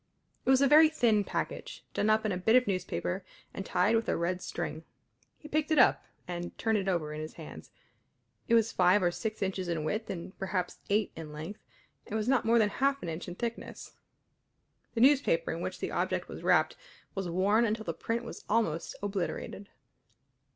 It was a very thin package, done up in a bit of newspaper and tied with a red string. He picked it up and turned it over in his hands. It was five or six inches in width and perhaps eight in length, and was not more than half an inch in thickness. The newspaper in which the object was wrapped was worn until the print was almost obliterated.